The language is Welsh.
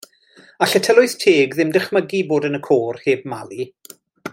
All y tylwyth teg ddim dychmygu bod yn y côr heb Mali.